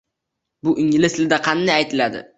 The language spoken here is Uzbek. Bu ingliz tilida qanday aytiladi?